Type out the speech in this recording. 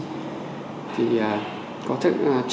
có chất nhiệm là giám sát toàn bộ tổ chức chất lượng vaccine